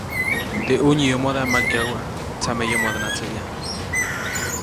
Teʼ ʼunyomodaʼm makyajuʼa, tsameyomona tsäʼyaju.